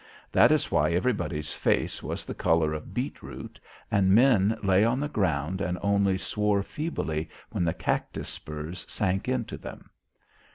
That is why everybody's face was the colour of beetroot and men lay on the ground and only swore feebly when the cactus spurs sank into them.